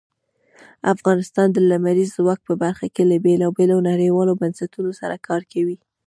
افغانستان د لمریز ځواک په برخه کې له بېلابېلو نړیوالو بنسټونو سره کار کوي.